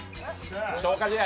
消化試合！